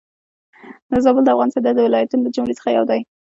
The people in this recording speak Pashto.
زابل د افغانستان د ولايتونو له جملي څخه يو ولايت دي.